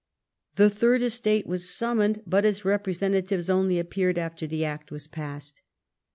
The third estate was summoned, but its representatives only appeared after the act was passed.